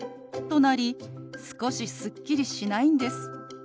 なり少しすっきりしないんです。